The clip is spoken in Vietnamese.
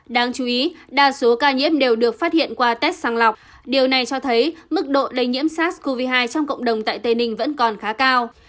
đáng chú ý đa số ca nhiễm đều được phát hiện qua test sang lọc điều này cho thấy mức độ lây nhiễm sars cov hai trong cộng đồng tại tây ninh vẫn còn khá cao